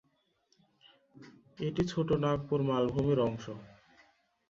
এটি ছোটনাগপুর মালভূমির অংশ।